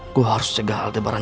aku harus cegah hal tebaran